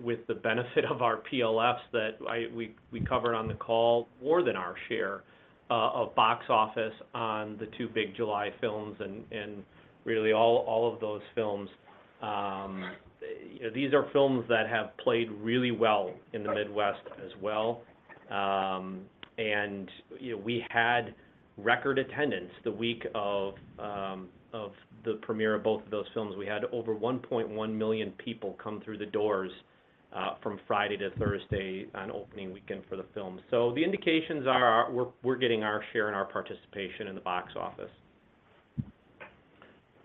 with the benefit of our PLFs that we, we covered on the call, more than our share of box office on the 2 big July films, really all, all of those films. These are films that have played really well in the Midwest as well. You know, we had record attendance the week of the premiere of both of those films. We had over 1.1 million people come through the doors from Friday to Thursday on opening weekend for the film. The indications are, we're, we're getting our share and our participation in the box office.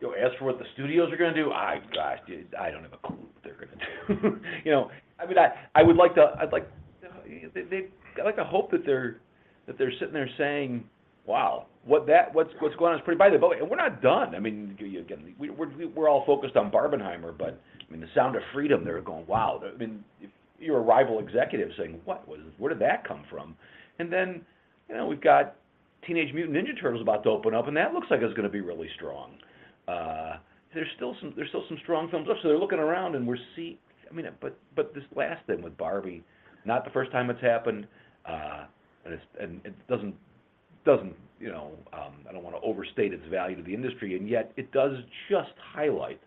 As for what the studios are gonna do, I don't have a clue what they're gonna do. You know, I mean, I would like to hope that they're, that they're sitting there saying, "Wow, what's, what's going on is pretty..." We're not done. I mean, again, we, we're all focused on Barbenheimer, but I mean, The Sound of Freedom, they're going, "Wow!" I mean, if you're a rival executive saying, "Where did that come from?" You know, we've got Teenage Mutant Ninja Turtles about to open up, and that looks like it's gonna be really strong. There's still some, there's still some strong films up, so they're looking around. I mean, but this last thing with Barbie, not the first time it's happened. It's, and it doesn't, you know, I don't want to overstate its value to the industry, and yet it does just highlight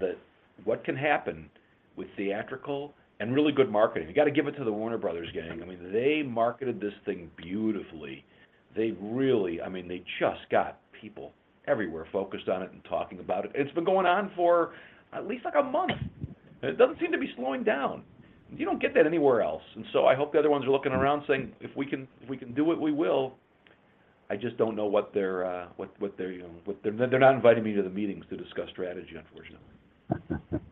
that what can happen with theatrical and really good marketing. You got to give it to the Warner Bros. gang. I mean, they marketed this thing beautifully. They really, I mean, they just got people everywhere focused on it and talking about it. It's been going on for at least, like, a month, and it doesn't seem to be slowing down. You don't get that anywhere else, and so I hope the other ones are looking around saying, "If we can, if we can do it, we will." I just don't know what they're, what, what they're, you know... They're not inviting me to the meetings to discuss strategy, unfortunately.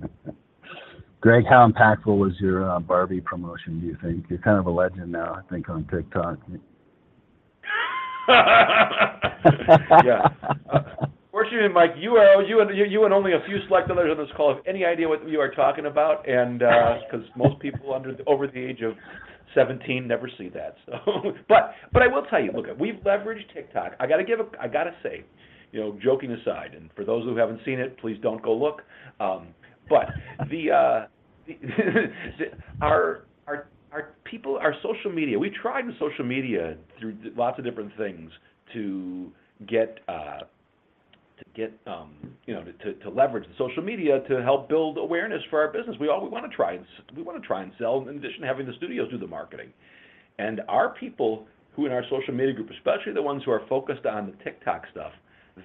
Greg, how impactful was your Barbie promotion, do you think? You're kind of a legend now, I think, on TikTok. Yeah. Unfortunately, Mike, you are, you and, you and only a few select others on this call have any idea what you are talking about, and 'cause most people under, over the age of 17 never see that. But I will tell you, look, we've leveraged TikTok. I gotta say, you know, joking aside, and for those who haven't seen it, please don't go look. The, our, our, our people, our social media, we tried social media through lots of different things to get to get, you know, to, to leverage the social media to help build awareness for our business. We wanna try and sell, in addition to having the studios do the marketing. Our people who, in our social media group, especially the ones who are focused on the TikTok stuff,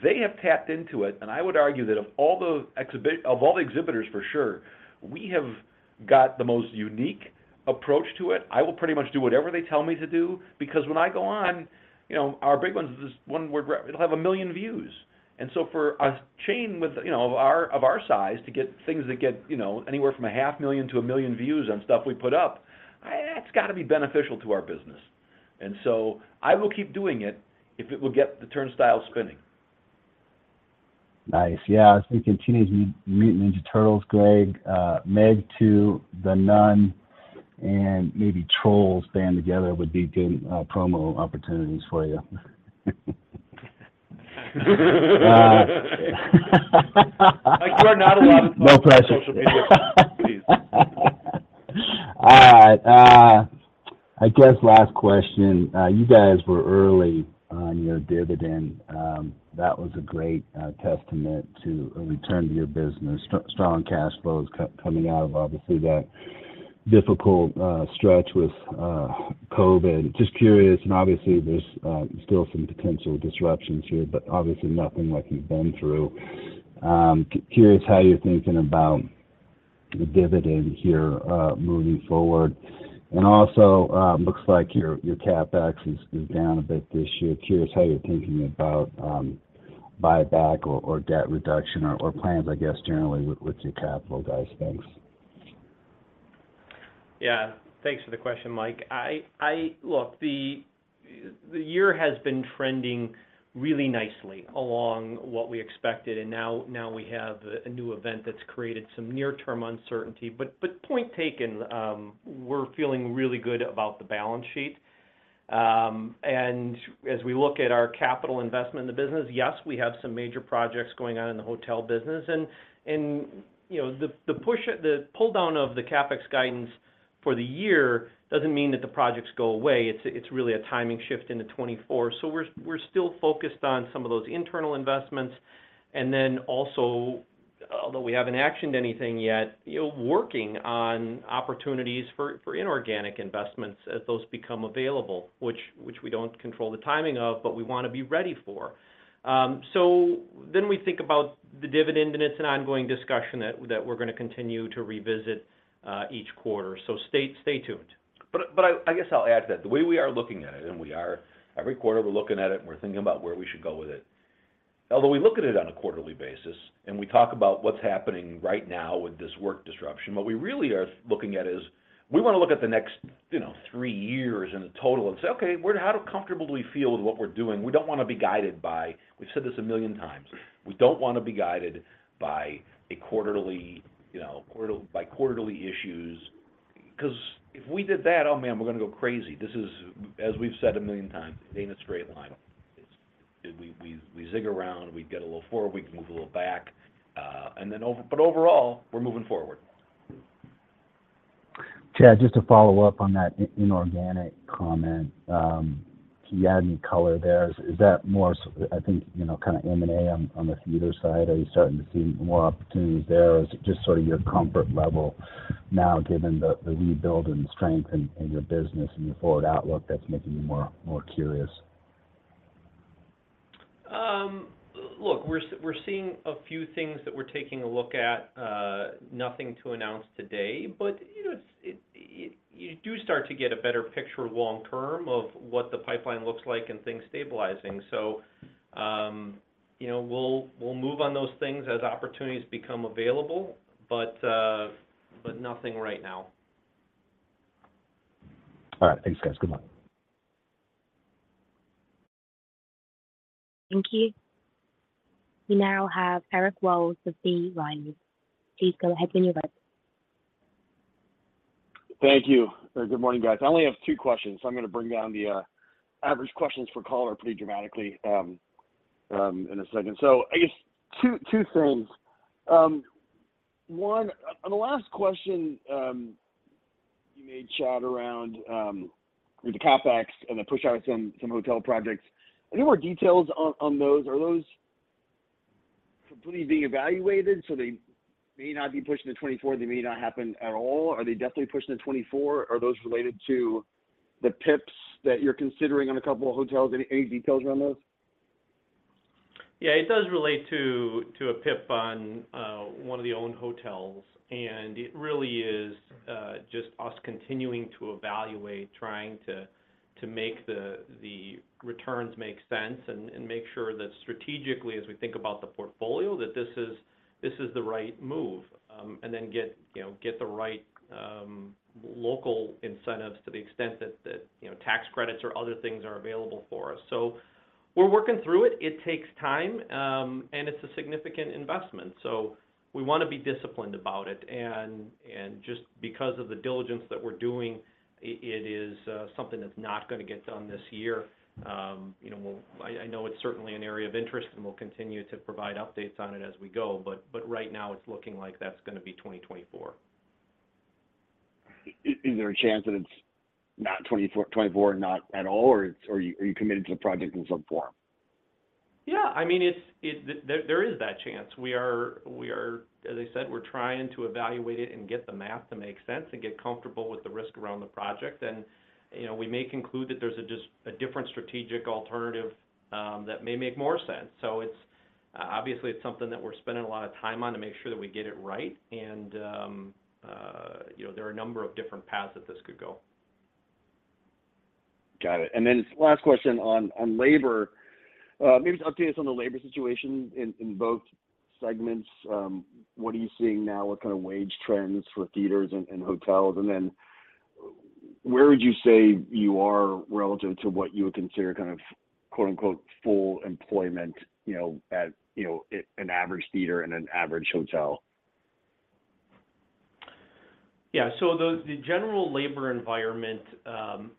they have tapped into it. I would argue that of all the exhibitors, for sure, we have got the most unique approach to it. I will pretty much do whatever they tell me to do, because when I go on, you know, our big ones is this one where it'll have 1 million views. So for a chain with, you know, of our, of our size, to get things that get, you know, anywhere from 0.5 million-1 million views on stuff we put up, that's got to be beneficial to our business. So I will keep doing it if it will get the turnstile spinning. Nice. Yeah, as we continue to meet Ninja Turtles, Greg, Meg 2, The Nun, and maybe Trolls Band Together would be good promo opportunities for you. Mike, you are not allowed to- No pressure.... social media, please. All right, I guess last question. That was a great testament to a return to your business. Strong cash flows coming out of, obviously, that difficult stretch with COVID. Just curious, and obviously, there's still some potential disruptions here, but obviously, nothing like you've been through. Curious how you're thinking about the dividend here, moving forward? And also, looks like your CapEx is down a bit this year. Curious how you're thinking about buyback or debt reduction or plans, I guess, generally, with your capital, guys? Thanks. Yeah, thanks for the question, Mike. I, I... Look, the year has been trending really nicely along what we expected, and now, now we have a new event that's created some near-term uncertainty, but, but point taken, we're feeling really good about the balance sheet. As we look at our capital investment in the business, yes, we have some major projects going on in the hotel business. You know, the pull down of the CapEx guidance for the year doesn't mean that the projects go away. It's, it's really a timing shift into 2024. We're, we're still focused on some of those internal investments, and then also, although we haven't actioned anything yet, you know, working on opportunities for, for inorganic investments as those become available, which, which we don't control the timing of, but we want to be ready for. Then we think about the dividend, and it's an ongoing discussion that, that we're gonna continue to revisit, each quarter. Stay, stay tuned. I, I guess I'll add to that. The way we are looking at it, and we are, every quarter we're looking at it, and we're thinking about where we should go with it. Although we look at it on a quarterly basis, and we talk about what's happening right now with this work disruption, what we really are looking at is, we wanna look at the next, you know, 3 years in the total and say, "Okay, how comfortable do we feel with what we're doing?" We don't wanna be guided by. We've said this 1 million times, we don't wanna be guided by a quarterly, you know, by quarterly issues, 'cause if we did that, oh, man, we're gonna go crazy. This is, as we've said 1 million times, it ain't a straight line. It's, we, we, we zig around, we get a little forward, we can move a little back, but overall, we're moving forward. Chad, just to follow up on that inorganic comment, can you add any color there? Is that more so, I think, you know, kind of M&A on the theatre side? Are you starting to see more opportunities there, or is it just sort of your comfort level now, given the rebuild and strength in your business and your forward outlook that's making you more, more curious? Look, we're seeing a few things that we're taking a look at. Nothing to announce today, but, you know, you do start to get a better picture long term of what the pipeline looks like and things stabilizing. You know, we'll, we'll move on those things as opportunities become available, but, nothing right now. All right. Thanks, guys. Good luck. Thank you. We now have Eric Wold with B. Riley. Please go ahead when you're ready. Thank you. Good morning, guys. I only have 2 questions, so I'm gonna bring down the average questions for caller pretty dramatically in a second. I guess 2, 2 things. One, on the last question, you made, Chad, around with the CapEx and the push out of some, some hotel projects. Any more details on, on those? Are those completely being evaluated, so they may not be pushing to 2024, they may not happen at all? Are they definitely pushing to 2024? Are those related to the PIPs that you're considering on a couple of hotels? Any, any details around those? Yeah, it does relate to, to a PIP on, one of the owned hotels, and it really is just us continuing to evaluate, trying to, to make the returns make sense, and make sure that strategically, as we think about the portfolio, that this is the right move. Then get, you know, get the right local incentives to the extent that, you know, tax credits or other things are available for us. We're working through it. It takes time, and it's a significant investment, so we wanna be disciplined about it. Just because of the diligence that we're doing, it is something that's not gonna get done this year. You know, I, I know it's certainly an area of interest, and we'll continue to provide updates on it as we go, but right now, it's looking like that's gonna be 2024. Is there a chance that it's not 2024, not at all, or it's, or are you committed to the project in some form? Yeah, I mean, it's, it, there, there is that chance. We are, we are, as I said, we're trying to evaluate it and get the math to make sense and get comfortable with the risk around the project. You know, we may conclude that there's a just, a different strategic alternative that may make more sense. It's, obviously, it's something that we're spending a lot of time on to make sure that we get it right, and, you know, there are a number of different paths that this could go. Got it. Then last question on labor. Maybe just update us on the labor situation in both segments. What are you seeing now? What kind of wage trends for theaters and hotels? Then where would you say you are relative to what you would consider kind of, quote, unquote, "full employment," you know, at, you know, at an average theater and an average hotel? Yeah. So the general labor environment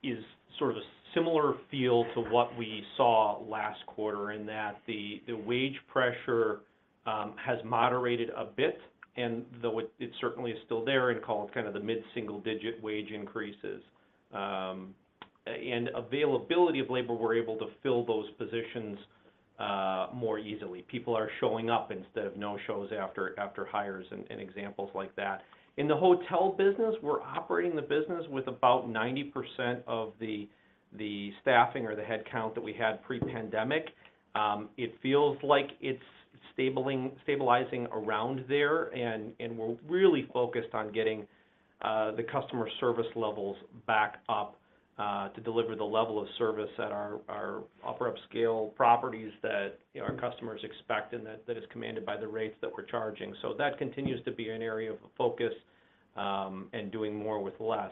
is sort of a similar feel to what we saw last quarter, in that the wage pressure has moderated a bit, and though it certainly is still there, and called kind of the mid-single-digit wage increases. Availability of labor, we're able to fill those positions more easily. People are showing up instead of no-shows after hires and examples like that. In the hotel business, we're operating the business with about 90% of the staffing or the headcount that we had pre-pandemic. It feels like it's stabling- stabilizing around there, and, and we're really focused on getting the customer service levels back up to deliver the level of service at our, our upper upscale properties that, you know, our customers expect, and that, that is commanded by the rates that we're charging. That continues to be an area of focus, and doing more with less.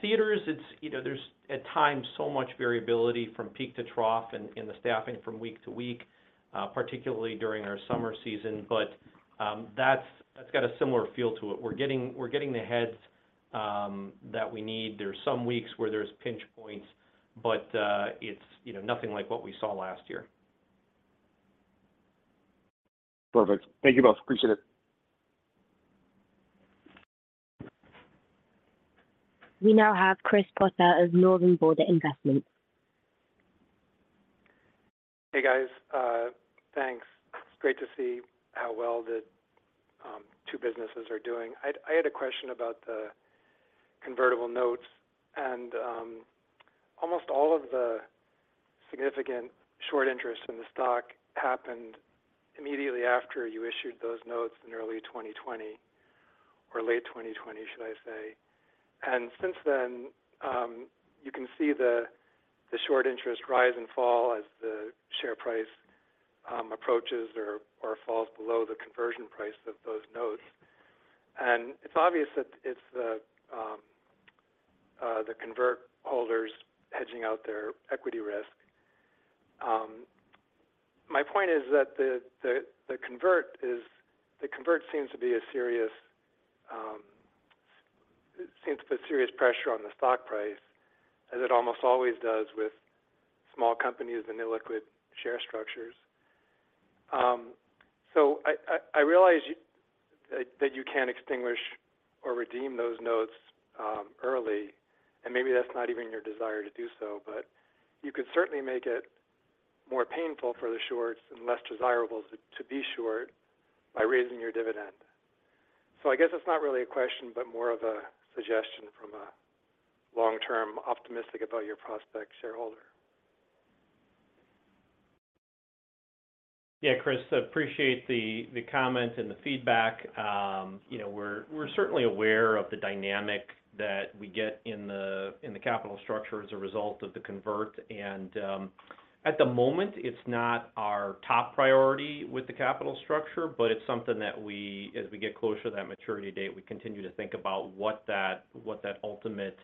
Theaters, it's, you know, there's at times, so much variability from peak to trough in, in the staffing from week to week, particularly during our summer season. That's, that's got a similar feel to it. We're getting, we're getting the heads that we need. There are some weeks where there's pinch points, but, it's, you know, nothing like what we saw last year. Perfect. Thank you both. Appreciate it. We now have Chris Potter of Northern Border Investments. Hey, guys. Thanks. It's great to see how well the two businesses are doing. I had a question about the convertible notes and almost all of the significant short interest in the stock happened immediately after you issued those notes in early 2020, or late 2020, should I say. Since then, you can see the short interest rise and fall as the share price approaches or falls below the conversion price of those notes. It's obvious that it's the convert holders hedging out their equity risk. My point is that the, the, the convert the convert seems to be a serious, it seems to put serious pressure on the stock price, as it almost always does with small companies and illiquid share structures. I, I, I realize you that you can't extinguish or redeem those notes early, and maybe that's not even your desire to do so, but you could certainly make it more painful for the shorts and less desirable to, to be short by raising your dividend. I guess it's not really a question, but more of a suggestion from a long-term, optimistic-about-your-prospect shareholder. Yeah, Chris, I appreciate the, the comments and the feedback. You know, we're, we're certainly aware of the dynamic that we get in the, in the capital structure as a result of the convert. At the moment, it's not our top priority with the capital structure, but it's something that we, as we get closer to that maturity date, we continue to think about what that, what that ultimate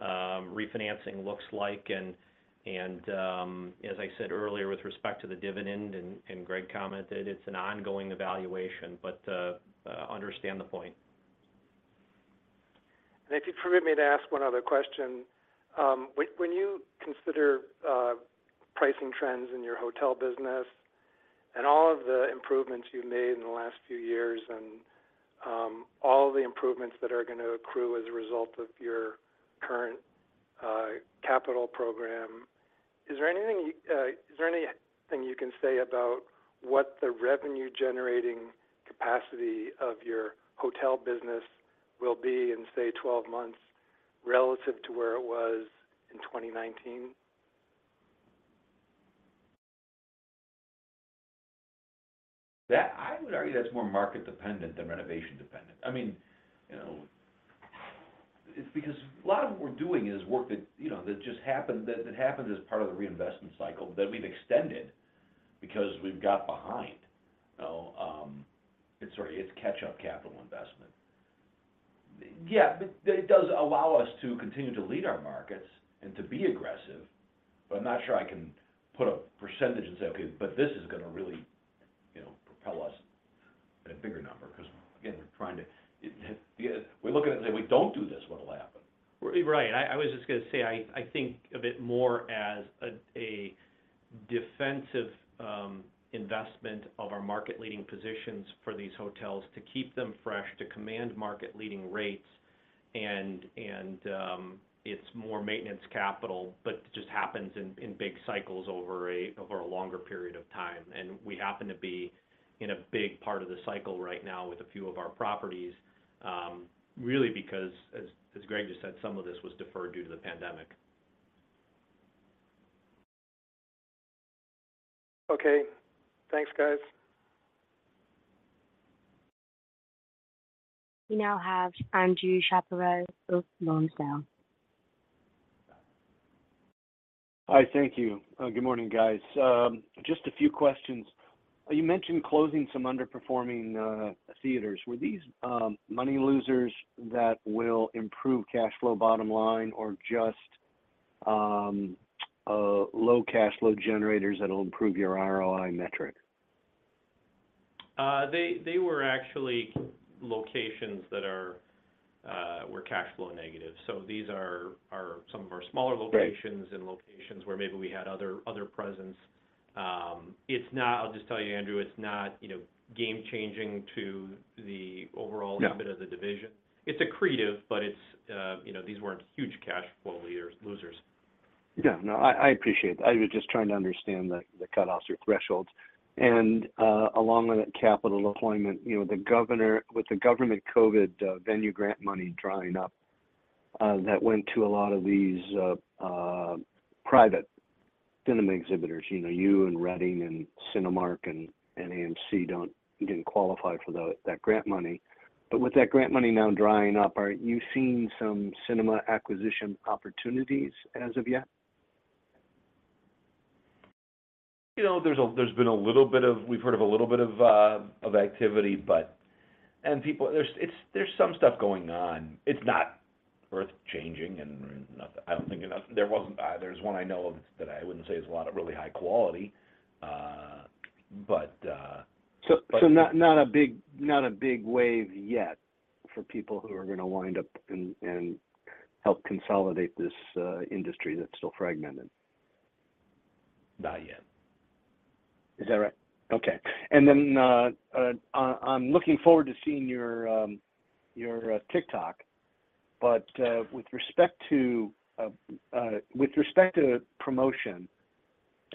refinancing looks like. As I said earlier, with respect to the dividend, and Greg commented, it's an ongoing evaluation, but understand the point. If you'd permit me to ask one other question. When, when you consider pricing trends in your hotel business and all of the improvements you've made in the last few years, and all the improvements that are gonna accrue as a result of your current capital program, is there anything you can say about what the revenue-generating capacity of your hotel business will be in, say, 12 months relative to where it was in 2019? That I would argue that's more market dependent than renovation dependent. I mean, you know, it's because a lot of what we're doing is work that, you know, that just happened, that, that happened as part of the reinvestment cycle, that we've extended because we've got behind. It's sort of, it's catch-up capital investment. Yeah, that does allow us to continue to lead our markets and to be aggressive, but I'm not sure I can put a percentage and say, "Okay, but this is gonna really, you know, propel us at a bigger number." 'Cause again, we're trying to... We look at it and say, "If we don't do this, what will happen? Well, right. I, I was just gonna say, I, I think of it more as a, a defensive, investment of our market-leading positions for these hotels to keep them fresh, to command market-leading rates, and, and, it's more maintenance capital, but it just happens in, in big cycles over a, over a longer period of time. We happen to be in a big part of the cycle right now with a few of our properties, really because, as, as Greg just said, some of this was deferred due to the pandemic. Okay. Thanks, guys. We now have Andrew Chaparro of Bown Sachs. Hi, thank you. Good morning, guys. Just a few questions. You mentioned closing some underperforming theaters. Were these money losers that will improve cash flow bottom line, or just low cash flow generators that will improve your ROI metric? They were actually locations that are, were cash flow negative. These are some of our smaller locations. Right. locations where maybe we had other, other presence. It's not... I'll just tell you, Andrew, it's not, you know, game changing to the overall. Yeah health of the division. It's accretive, but it's, you know, these weren't huge cash flow leaders, losers. Yeah. No, I, I appreciate that. I was just trying to understand the, the cutoffs or thresholds. Along with that capital deployment, you know, with the government COVID venue grant money drying up, that went to a lot of these private cinema exhibitors. You know, you and Reading and Cinemark and AMC don't-- didn't qualify for the, that grant money. With that grant money now drying up, are you seeing some cinema acquisition opportunities as of yet? You know, there's a, there's been a little bit of. We've heard of a little bit of activity, but and people, there's some stuff going on. It's not earth-changing and nothing, I don't think enough. There wasn't, there's one I know of that I wouldn't say is a lot of really high quality. But. So not, not a big, not a big wave yet for people who are gonna wind up and, and help consolidate this industry that's still fragmented? Not yet. Is that right? Okay. Then, I'm looking forward to seeing your, your TikTok. With respect to, with respect to promotion,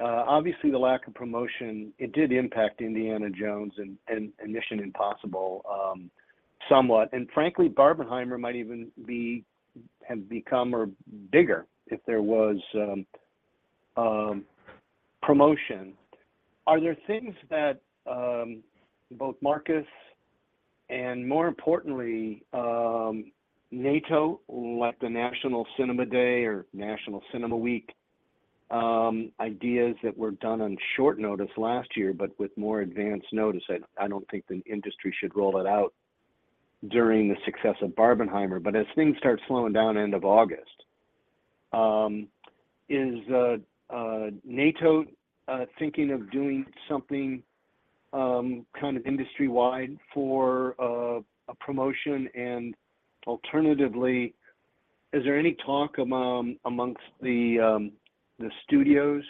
obviously the lack of promotion, it did impact Indiana Jones and Mission Impossible somewhat, and frankly, Barbenheimer might even be, have become or bigger if there was promotion. Are there things that, both Marcus and more importantly, NATO, like the National Cinema Day or National Cinema Week, ideas that were done on short notice last year, but with more advanced notice? I, I don't think the industry should roll it out during the success of Barbenheimer, but as things start slowing down end of August, is, NATO, thinking of doing something, kind of industry-wide for, a promotion? Alternatively, is there any talk amongst the studios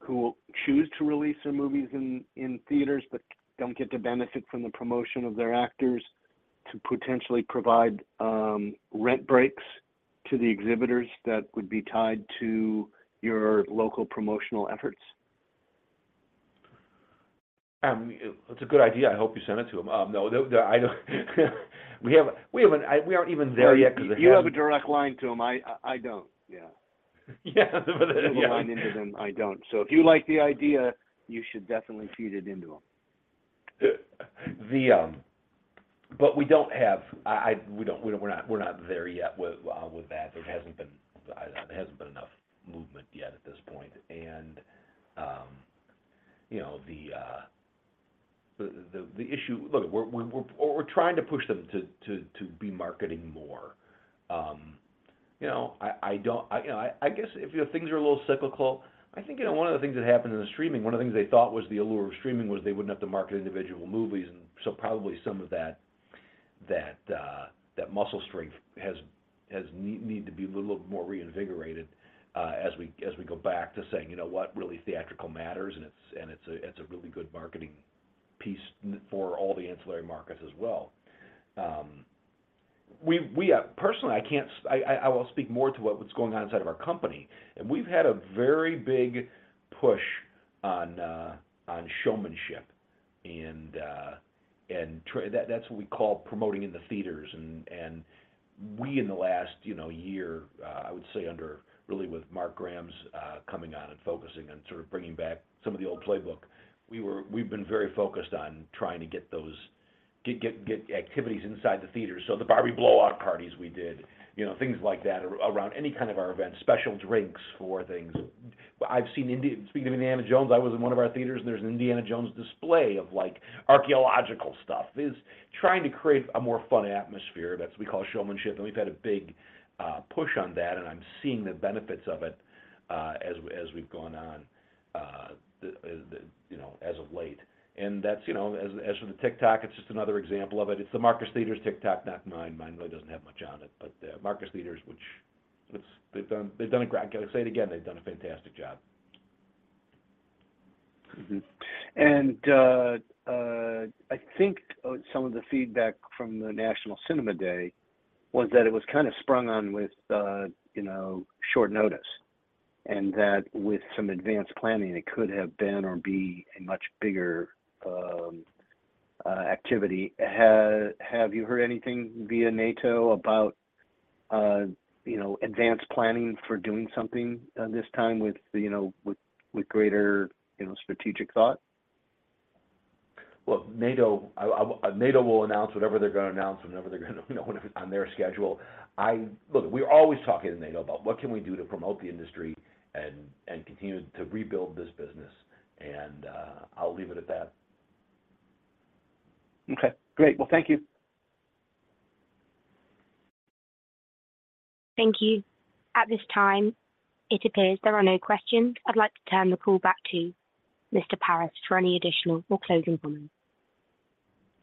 who choose to release their movies in, in theaters but don't get to benefit from the promotion of their actors, to potentially provide, rent breaks to the exhibitors that would be tied to your local promotional efforts? It's a good idea. I hope you sent it to them. No, the, the, I know, we have, we haven't, we aren't even there yet. You have a direct line to them. I don't. Yeah. Yeah. You have a line into them, I don't. If you like the idea, you should definitely feed it into them. The. We don't have, I, I, we don't, we're not, we're not there yet with that. There hasn't been, there hasn't been enough movement yet at this point. You know, the, the, the, the issue. Look, we're, we're, we're trying to push them to, to, to be marketing more. You know, I, I don't- I, you know, I, I guess if things are a little cyclical, I think, you know, one of the things that happened in the streaming, one of the things they thought was the allure of streaming was they wouldn't have to market individual movies. So probably some of that, that, that muscle strength has, has need to be a little more reinvigorated, as we, as we go back to saying, "You know what? Really theatrical matters, and it's a really good marketing piece for all the ancillary markets as well. Personally, I will speak more to what's going on inside of our company. We've had a very big push on showmanship. That's what we call promoting in the theaters. We, in the last, you know, year, I would say under really with Mark Gramz's coming on and focusing on sort of bringing back some of the old playbook, we've been very focused on trying to get those activities inside the theater. The Barbie blowout parties we did, you know, things like that around any kind of our event, special drinks for things. I've seen Indian-- Speaking of Indiana Jones, I was in one of our theatres, and there's an Indiana Jones display of, like, archaeological stuff. Is trying to create a more fun atmosphere, that's what we call showmanship, and we've had a big push on that, and I'm seeing the benefits of it, as, as we've gone on, the, you know, as of late. That's, you know, as, as for the TikTok, it's just another example of it. It's the Marcus Theatre's TikTok, not mine. Mine really doesn't have much on it, but Marcus Theatre's, which it's-- they've done, they've done a great job. I'll say it again, they've done a fantastic job. Mm-hmm. I think, some of the feedback from the National Cinema Day was that it was kind of sprung on with, you know, short notice, and that with some advanced planning, it could have been or be a much bigger activity. Have you heard anything via NATO about, you know, advanced planning for doing something, this time with, you know, with, with greater, you know, strategic thought? Look, NATO, NATO will announce whatever they're gonna announce, whenever they're gonna, you know, on their schedule. Look, we're always talking to NATO about what can we do to promote the industry and, and continue to rebuild this business, and I'll leave it at that. Okay, great. Well, thank you. Thank you. At this time, it appears there are no questions. I'd like to turn the call back to Mr. Paris for any additional or closing comments.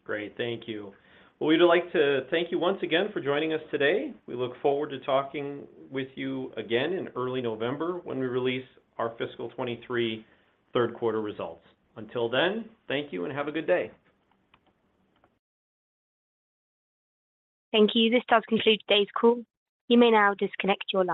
Great. Thank you. We'd like to thank you once again for joining us today. We look forward to talking with you again in early November when we release our fiscal 2023 third-quarter results. Until then, thank you and have a good day. Thank you. This does conclude today's call. You may now disconnect your line.